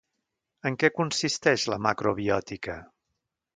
En què consisteix la macrobiòtica?